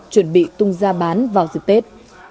chuẩn bị tung ra bán vào dự tết